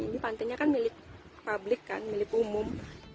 ini pantainya kan milik publik kan milik umum